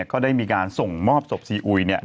ก็ได้มีการส่งมอบศพซีอุย